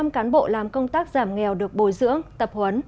một trăm linh cán bộ làm công tác giảm nghèo được bồi dưỡng tập huấn